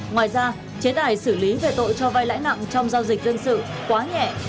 ngoài ra chế tài xử lý về tội cho vai lãi nặng trong giao dịch dân sự quá nhẹ